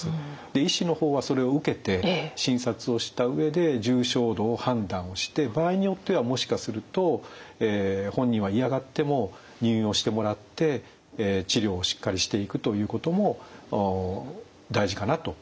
医師の方はそれを受けて診察をした上で重症度を判断して場合によってはもしかすると本人は嫌がっても入院をしてもらって治療をしっかりしていくということも大事かなと思います。